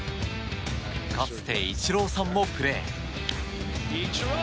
かつてイチローさんもプレー。